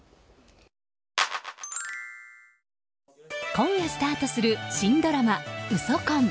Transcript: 今夜スタートする新ドラマ「ウソ婚」。